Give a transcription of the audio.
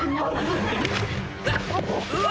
うわ！